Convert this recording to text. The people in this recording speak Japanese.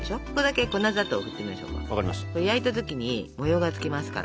焼いた時に模様がつきますから。